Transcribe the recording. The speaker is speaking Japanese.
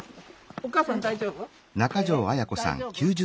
おかあさん大丈夫？